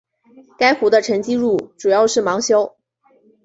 该湖的沉积物主要是芒硝。